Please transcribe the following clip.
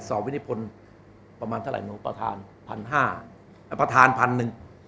สอบวินิพลประมาณเท่าไหร่หนึ่งประธาน๑๕๐๐ประธาน๑๐๐๐